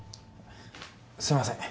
すいません